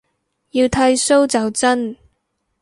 要剃鬚就真